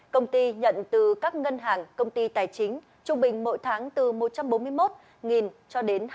công ty nhận từ các ngân hàng công ty tài chính trung bình mỗi tháng từ một trăm bốn mươi một cho đến hai trăm linh